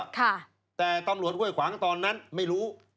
ค่ะแต่ตำรวจห้วยขวางตอนนั้นไม่รู้